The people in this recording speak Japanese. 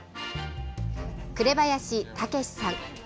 榑林剛さん。